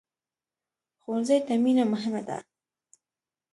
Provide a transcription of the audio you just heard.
ښوونځی ته مینه مهمه ده